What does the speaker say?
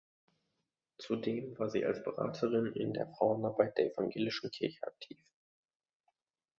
Zudem war sie als Beraterin in der Frauenarbeit der evangelischen Kirche aktiv.